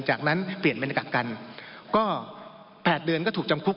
จากนั้นเปลี่ยนบรรยากาศกันก็๘เดือนก็ถูกจำคุก